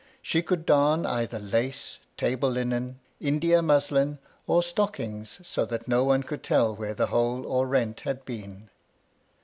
She could darn either lace, table linen, India muslin, or stockings, so that no one could tell where the hole or rent had been.